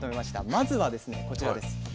まずはですねこちらです。